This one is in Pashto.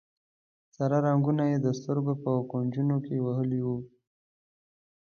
سره رنګونه یې د سترګو په کونجونو کې وهلي وي.